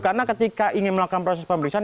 karena ketika ingin melakukan proses pemberitahuan